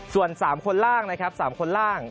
ส่วน๓คนล่างนะครับ๓คนล่าง